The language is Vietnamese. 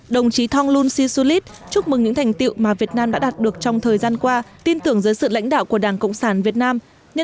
đồng chí thonglun sisulit chúc mừng những thành tiệu mà việt nam đã đạt được trong thời gian qua tin tưởng dưới sự lãnh đạo của đảng cộng sản việt nam